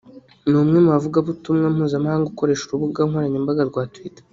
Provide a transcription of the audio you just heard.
ni umwe mu bavugabutumwa mpuzamahanga ukoresha urubuga nkoranyambaga rwa twitter